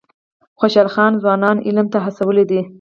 خوشحال خان ځوانان علم ته هڅولي دي.